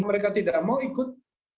mereka tidak mau ikut